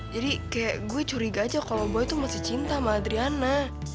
jadi kayak gue curiga aja kalo boy itu masih cinta sama adriana